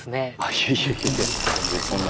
いやいやいやいや全然そんなことは。